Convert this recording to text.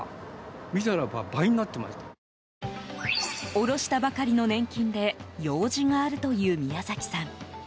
下ろしたばかりの年金で用事があるという宮崎さん。